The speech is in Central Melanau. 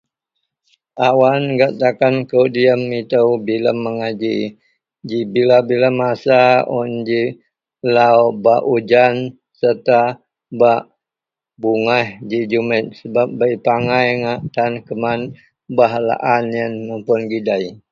awan gak takan kou diam itou bilem agai ji, bila-bila masa un ji lau bak ujan serta bak bugaih ji jumik sebab bei pangai ngak tan keman bah lahaan ien mapun gak gidei